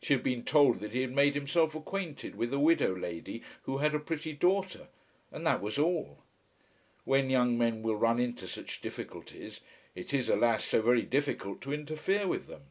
She had been told that he had made himself acquainted with a widow lady who had a pretty daughter, and that was all! When young men will run into such difficulties, it is, alas, so very difficult to interfere with them!